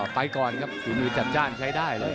ไปก่อนครับฝีมือจัดจ้านใช้ได้เลย